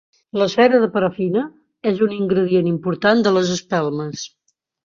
La cera de parafina és un ingredient important de les espelmes.